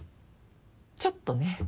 ちょっとね。